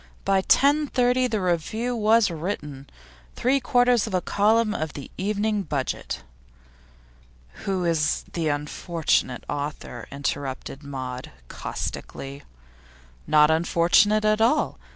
By 10.30 the review was written three quarters of a column of the Evening Budget.' 'Who is the unfortunate author?' interrupted Maud, caustically. 'Not unfortunate at all.